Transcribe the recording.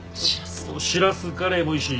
しらすカレーもいいし。